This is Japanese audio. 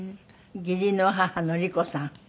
義理の母の理子さん。